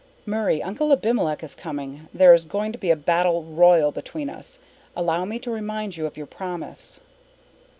"Murray, Uncle Abimelech is coming. There is going to be a battle royal between us. Allow me to remind you of your promise."